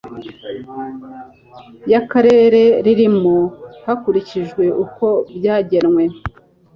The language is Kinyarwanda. y akarere ririmo hakurikijwe uko byagenwe